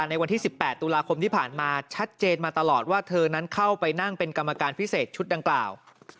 ในวันที่๑๘ตุลาคมที่ผ่านมาชัดเจนมาตลอดว่าเธอนั้นเข้าไปนั่งเป็นกรรมการพิเศษชุดดังกล่าว